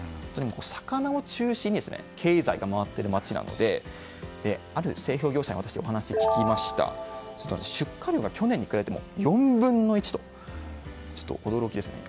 魚を中心に経済が回っている町なのである製氷業者に私、お話を聞きますと出荷量が去年に比べて４分の１と。驚きですよね。